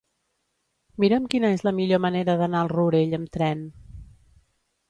Mira'm quina és la millor manera d'anar al Rourell amb tren.